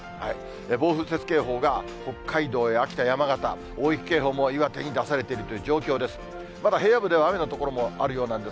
暴風雪警報が北海道や秋田、山形、大雪警報も岩手に出されているという状況です。